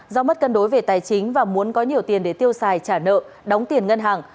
do mất cân đối về tài chính và muốn có nhiều tiền để tiêu xài trả nợ đóng tiền ngân hàng